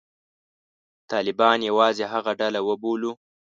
طالبان یوازې هغه ډله وبولو.